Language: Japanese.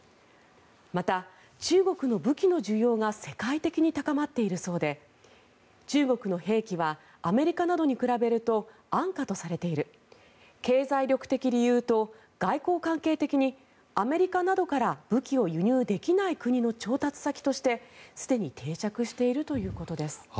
また、中国の武器の需要が世界的に高まっているそうで中国の兵器はアメリカなどに比べると安価とされている経済力的理由と外交関係的にアメリカなどから武器を輸入できない国の調達先としてすでに定着しているということです。